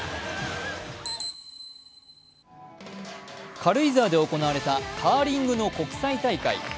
軽井沢で行われたカーリングの国際大会。